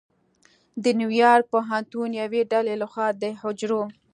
د نیویارک پوهنتون یوې ډلې لخوا د حجرو